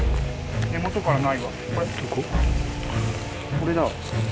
これだわ。